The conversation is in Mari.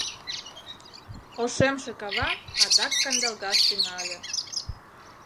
Ошемше кава адак кандалгаш тӱҥале;